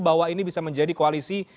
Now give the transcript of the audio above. bahwa ini bisa menjadi koalisi